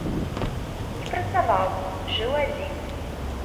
Не працаваў, жыў адзін.